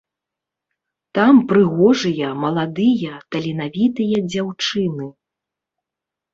Там прыгожыя, маладыя, таленавітыя дзяўчыны.